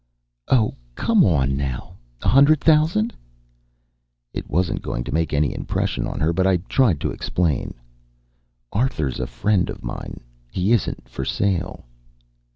"Oh, come on now. A hundred thousand?" It wasn't going to make any impression on her, but I tried to explain: "Arthur's a friend of mine. He isn't for sale."